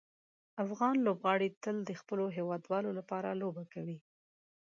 افغان لوبغاړي تل د خپلو هیوادوالو لپاره لوبه کوي.